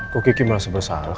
kok gigi merasa bersalah